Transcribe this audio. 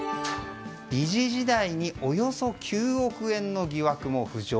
理事時代におよそ９億円の疑惑も浮上。